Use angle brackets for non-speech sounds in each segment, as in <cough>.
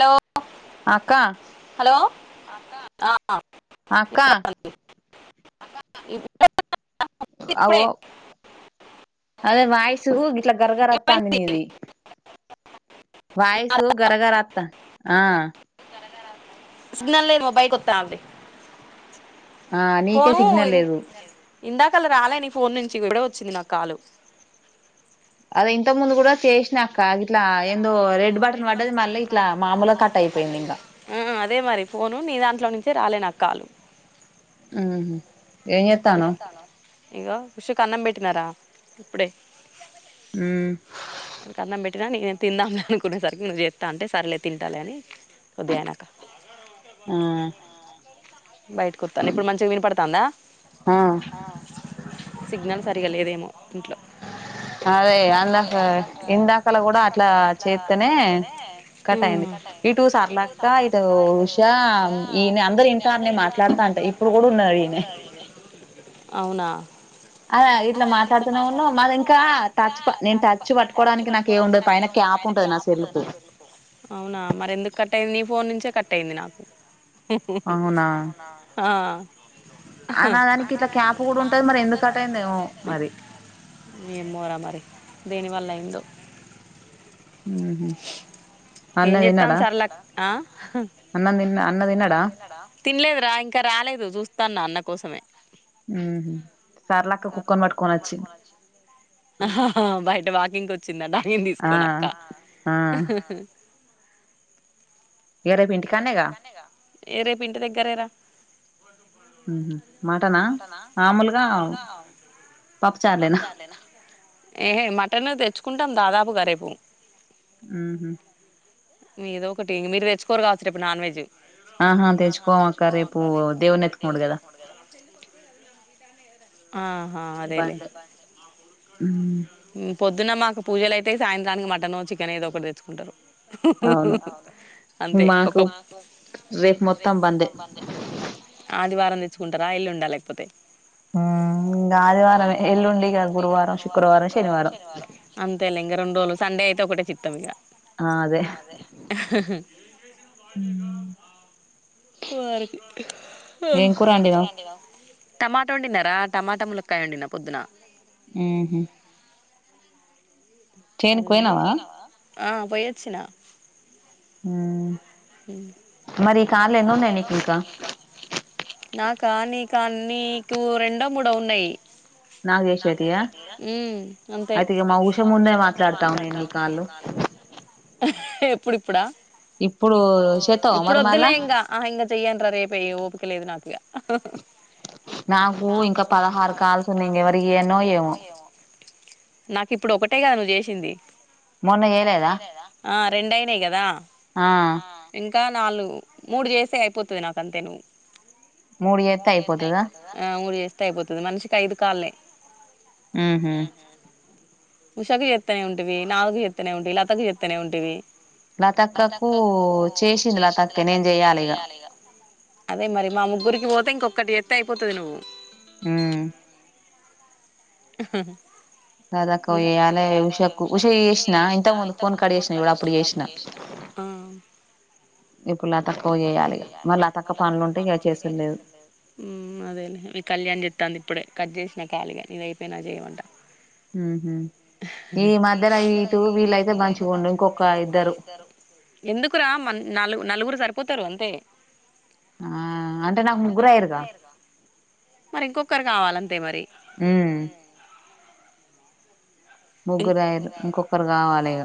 hello అక్క hello అక్క ఇన్ అవో అదే మాయసు ఇట్లా గర్గర్త్తా అంది నీది వయసు గరగర అత్త ఆ సిగ్నల్ లే మాబాై కొత్తా అడి ఆ నీకే సిగ్నల్ లేదు ఇందాకలా రాలేని ఫోన్ నుంచి కూడాడ వచ్చింది నాకు కాలు అది ఇంత ముందు కూడా చేసినా అలా ఇ రెడ్ బాస్ వాట మళ్ళ ఇలా మామూలుట అదే మరి ఫోను నీ దాంట్లో నుంచే రాలే నాకు కాలు ఆ ఇ విషక్ అన్నంబెట్నారా ఇప్పుడే హ అన్నం పెట్టినా నేను తిాంలే అనుకునేసరికి నువ్వు చేస్తా అంటే సరేలే తింటాలి అని ఉదయనక బయట కుడతాను ఇప్పుడు మంచి వినిపడుతాందా సిగ్నల్ పగ లేదేమో ఇంట్లో అదే అ ఇందక కూడా అట్లా చేస్తేనే ఇ ఉష ఈ అందరు ఇంకా అన్ని మాట్లాడుత ఇప్పుడు కూడా ఉన్నారు అవునా అద ఇట్లా మాట్లాడుతున్నా ఉన్నా మాది ఇంకా పట్టుడా ఉ అవునా మర ఎందుకు కట్టంది న ఫోన్ నుంచి కట్ అయింది నాకు అవునా అనా దానికి ఇట్లా క్యాప్ కూడా ఉంటది మరి ఎందుకుట్ట అయిందేమో మరి దేనివల్ల అయిందో ఏం చెతాను సార్ తినలేదు రా ఇంకా రాలేదు చూస్తాన్నా అన్న కోసమే బయట వాకింగ్ వచ్చిందా ానిని తీసుకోని అక్క <unintelligible> పింటి దగ్గరేరా మటన్ తెచ్చుకుంట ం దాదాపు కరేపోూ ఆమ్ మీ ఏదో ఒకటి ఇ మీరు వ స్కోర్ కావచ్చుేపు నాన్ వెజ్ ఆహా తెేజకోమ అక్క రేపు దేవునెత్కోడుగదా ఆహా అదేలేే పొద్దున్న మాకు పూజలు అయితే సాయంత్రానికి మటన్ వచ్చ తెచ్చుకు అేదివారం తెుకుంటా ఇల్లుండా లేకపోతే హ ఇంకా ఆదివారం ఎల్లుండిక గురువారం శుక్రవారం శ అంతే అలింగ రెండోజు సే అయితే ఒకే చిత్తం ఇక <unintelligible> వాం కుర టమాటో వండిన్నారా టమాటా ములక్కయ వండినా పొద్దున ఆ అ ఆ పోయొచ్చనా ఆ మరికా తన ననిత నా కానీకా అ నీకు రెండో మూడో ఉన్నాయి నాగేశ్వరి అంతే అయి మాే మాట్లాడతాం ఎన్ని ఇప్పుడిప్పుడా ఇప్పుడు ఇప్పుడు వద్దులే ఇంకా ఆ ఇంకా చెయ్యను రా రేప ఓపిక లేదు నాకుక ఓహ నాకు ఇంకా పదహారు కాలుస్ంది ఇంక ఎవరికి ఏన్నో ఏమో నాకు ఇప్పుడు ఒకటే కదా నువ్వు చేసింది రెండ అయినాయి కదా ఇంకా ఇంకా నాలుగు మూడు చేసే అయిపోతుంది నాక అంతే నువ్వు ముడిపోడి ప అయిపోతుంది మనిషికి ఐదు కాాలలే ఆ హమ్ ఉషకు చెత్తనే ఉంటంటివి నాలుగు చెత్తనే ఉంటంటివి లతకు చెత్తనే ఉంటివి త అక్కకు ఓ చేసింది లా తక్క నేను చెయ్యాలి ఇగ అదే మరి మా ముగ్గురికి పోతే ఇంకొక్కటి ఎత్తే అయిపోతుది నువ్వు హ ఆ క్కువ చేయాలి ఉషక్కు ఉష చేసిన ఇంత ముందు ఫోన్ కట్ చేసిన ఇప్పుడు చేసిన ఇప్పుడు తక్కువ చేయాలి మళ్ీ తక్కువ పనులు ఉంటే చేసలేదు అదే కళ్యాణ చెప్ాంది ఇప్పుడే కట్ చే నా కాలుగా న పనా చేయమంట ఎందుకురా న నలుగురు సరిపోతారు అంతే ఆ అంటే నాకు ముగ్గురయరుక మరి ఇంకొకరు కావాలంతే మరి ఉమ్ ముగ్గురయరు ఇంకొకరు కావాలిక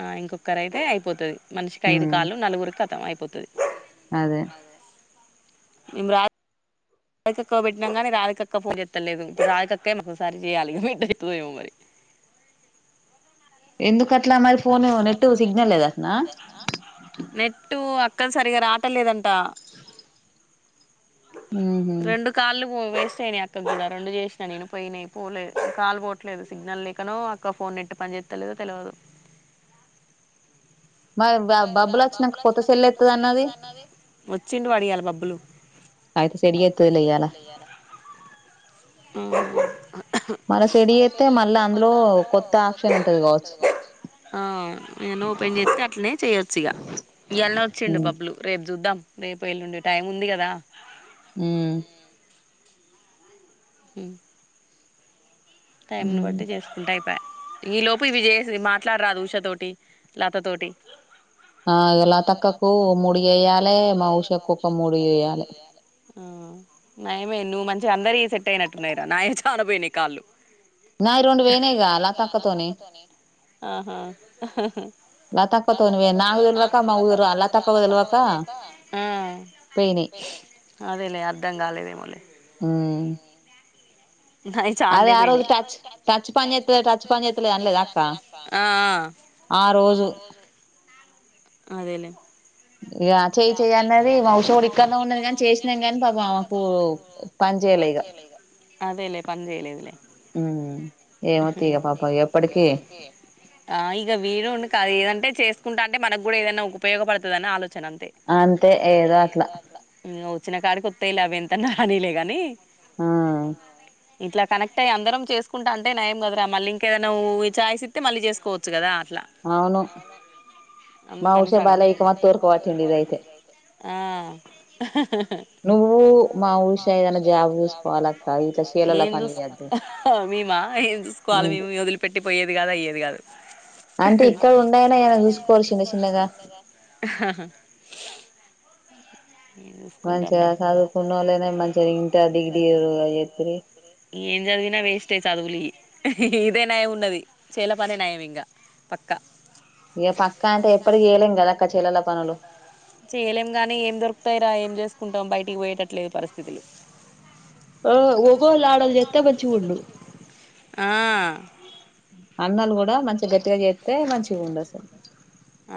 ఆ ఇంకొక్కరయితే అయిపోతది మనిషి ఐదు కాల్లు నలుగురుకి కతం అయి పోతది ఇమ్రాన్ రాజికక్క పెట్టినాం గాని రాజికక్క ఫోన్ చెస్తలేదు రాజకక్క మరోసారి చేయాలి ఏం చేత్తదో ఏమో మరి నెట్టు అ అస్సలు సరిగా రాటంలేదంట రెండు కాళ్లు హ్మ్ వేస్ట్ అయినయి అక్కకి కూడా రెండు చేసినా నేను పోయినయి పోలేదు కాల్ పోవట్లేదు సిగ్నల్ లేకనో అక్క ఫోన్ నెట్ పనిచేస్తలేదో తెలవదు వచ్చిండు వాడు ఇయ్యాల బబ్బులు ఆ నేను ఓపన్ చేస్తే అట్లనే చేయొచ్చు ఇగ ఇయ్యాలనే వచ్చిండు బబ్లు రేపు చూద్దాం రేపు ఎల్లుండు టైం ఉంది కదా హ్మ్ హు టైం ని బట్టి చేసుకుంటాయి ఈ లోపు విజసి మాట్లాడరాదు ఉషతోటి లత తోటి ఆ ఇగ లతక్కకు మూడు చెయ్యాలె మా ఉషాకు ఒక మూడు చెయ్యాలె నయమే నువ్వు మంచిగా అందరియి సెట్ అయినట్టున్నారా నాయే చాలాపోయినాయి కాల్లు ఆ అదేలే అ అర్ధం కాలేదేమోలే ఉమ్ అదే ఆ రోజు టచ్ టచ్ పని చేతులే టచ్ పని చేతులే అనలేద అక్క ఆ రోజు అదేలేే ఇక చేయి చెయ్య అన్నది వంశ కూడా ఇక్కద ఉన్నది కాని చేసినాం కానీ పా మాకు పని చేయలే ఇక అదేలేే పంచజయలే లే ఆ ఇక వీడు కదదా అంటే చేసుకుంట అంటే మనకు కూడా ఏదైనా ఉపయోగపడుతుంద అని ఆలోచన అ అంతే ఏదో అట్లా ఇక వచ్చిన కాడ కొత్తా ఇలా అవి ఎంత రానిలే కానీ ఆ ఇట్లా కనెక్ట్ అయి అందరం చేసుకుంటా అంటే నయం కదరా మళ్ళీ ఇంకేదనా నువ్వు చాయిసిస్తే మళ్ళీ చేసుకోవచ్చు కదా అవును మా హఊషా బాల ఇక మాత్ తూర్పు కట్టింది అయితే ఆ ఏకోమా ఏం చూసుకోవాలి మ వదిలిపెట్టి పోయేది కాదు అయ్యేది కాదు అంటే ఇక్కడ ఉండయనే కదా చూసుకోవాలి చిన్న చిన్నగా ఏం చదివినా వేస్టే చదువులు ఇయి ఇదే నయం ఉన్నది చేల పనే నయం ఇంగ పక్కా చెయ్యలేం గానీ ఏం దొరు ఆ ఏం చేసుకుంటాం బయటికి పోయేటట్లేదు పరిస్థితులు ఓ మొగుళ్ళు ఆడోళ్లు చేత్తే మంచిగుండు ఆ అన్నోళ్ళు కూడా మంచిగా గట్టిగా చేత్తే మంచిగుండు అసలు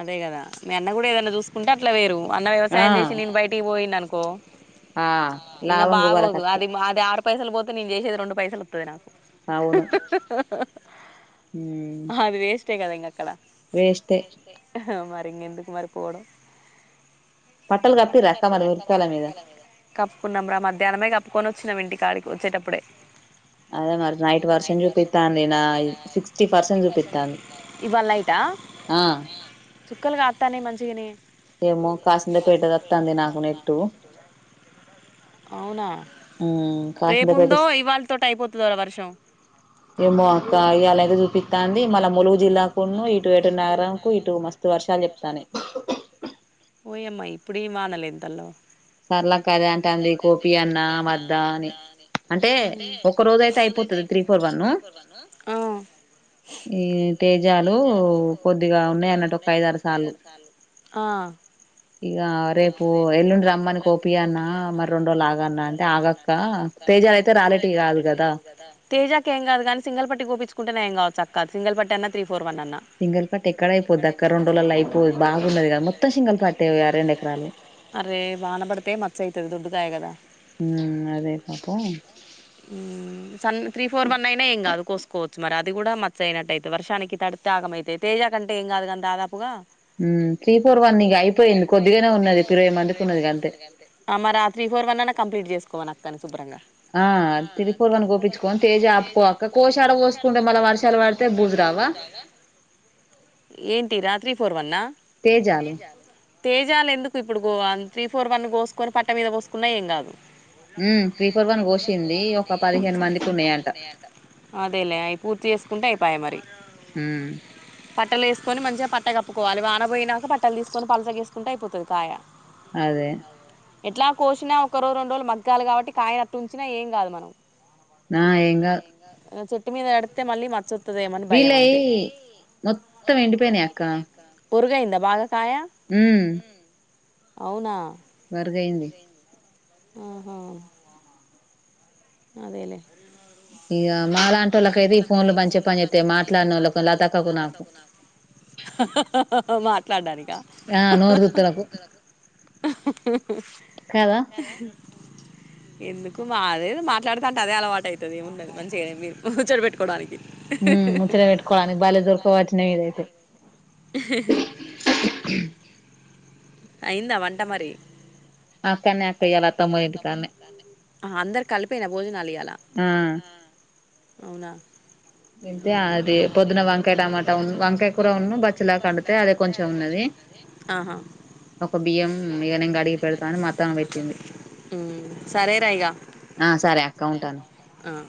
అదే కదా మీ అన్న కూడా ఏదన్నా చూసుకుంటే అట్ల వేరు అన్న వ్యవసాయం చేసి నేను బయటకి పోయిన్ అనుకో పో ఇంగ బాగోదు అది అది ఆర్ పైసలు పోతేే నేను చేసేది రెండుపైసలు వత్తది నా అవి వేస్ అంతే కదా ఇంగా అక్కడ వేస్ట్ ఏ ఆహా మరింగ ఎందుకు మరి పోడం కప్పుకున్నాం మధ్యానమే కప్పుకొను సినాం ఇంటి కాడికి వచ్చేటప్పుడే అదే మరి నైట్ వర్షం చూపిస్తాంది నా సిక్స్టీ ప్రెసెంట్ చూపిస్తాంది ఆ చుక్కలు కాస్తాననాయి మంచిగానే ఏమో కాసింద ఆస్తాంది నాకు నెట్టు అవునా కాసింతపేట ఏమో అక్క ఇయ్యాలయితే చూపిస్తాంది మళ్ళ ములుగు జిల్లాకున్న ఇటు ఇటు నగరం ఇటు మస్తు వర్షాలు చెప్తానాయి ఓయమ్మా ఇప్పుడ వానలే ఇంతల సరల అక్క అదే అంటుంది కోపియన్న వద్ద అని అంటే ఒక రోజు అయితే అయిపోతుది త్రీ ఫోర్ వన్ ఈ తేజాలు కొద్దిగా ఆ రమ్మని గోపి అన్న మరి తేజాక ఏం కాదు కానీ సింగిల్ పట్ కోపించుకుంటే నయం కావచు అక్క సింగిల్ పట్టి అయిన సింగల్ పట్టు ఎక్కడ అరె వాన పడితే పాచి అయితది దొడ్డుకాయ కదా త్రీ ఫోర్ అయిన ఏం కాద అది కోసుకోవచ్చు మరి అది కూడా మచ్చ అయినట్టయితే వర్షానికి తడి త ఆగం అయితే అంటే ఏం కాదు కంటా దాదాపుగా త్రీ ఫోర్ వన్ అయిపోయింది కొద్దిగానే ఉన్నది ఇరవై మందికి ఉన్నది అంతే మరి ఆ త్రీ ఫోర్ వన్ అనా కంప్లీట్ చెస్ నక్క శుభ్రంగా ఆ తిరిపోగాని గపించుకొని తేజ ఆప్పుకోక కోషాల పోస్తుంటే మళ్ళ వర్షాలు పడితే భుజు రాదా ఏంటి రాత్రి ఫోర్ వన్నా తేజలు తేజాలు ఎందుకు ఇప్పుడు త్రీ ఫోర్ వన్ కోసుకొని పట్ట మీద పోసుకున్నా ఏం కాదు అదేలే అవి పూర్తి చేసుకుంటే పయమరి హ పట్టలు వేసుకొని మంచిగా పట్ట కప్పుకోవాలి వానబయినాక పట్టలు తీసుకొని పలసగేసుకుంట అయిపోతుంది కాయ ఎట్లా కోసినా ఒక రోజు రెండు రజు మగ్గాలి కాబట్టి కాయనట్టు ఉంచినా ఏం కాదు మనం నా ఎంకా మీద ఎతే మళ్ీ మచ్చ వస్తుదేమని భయం అంతే మొత్తం ఎండిపోయన అక్క పొరుగు అయిందా బాగా హ అవునా వరుగయింది ఆహో అదేలేే ఇకా మాాలాంటంటి వాళ్ళకి ఏ ఫోన్లో మంచి పని అతే మాట్లాడిన వాళ్ళ లత తకు నాకు మాట్లాడానికి ఎందుకో మాదే మాట్లాడుతా అంట అదే అలవాటు అవుతుంది ఏమిండదు మంచిగాద మీరు ముచ్చట పెట్టుకోవడానికి ముచ్చట పెట్టుకోవడానికి బాల్య దొరకవాటినే మీదైతే అయిందా వంట మరి తై అందరు కలిపోయినా భోజనాలు ఇ్యలా అవునా అంటే అది పొద్దున వంకాయ టమాటా ఉ వంకాయ కూర ఉన్న బచ్చలా కడితే అదే కొంచెం ఉన్నది ఒక బియ్యం ఏన అడిగి పెడతాని మత్తం పెట్టి సరే రైగా ఆ సరే అక్క ఉంటాను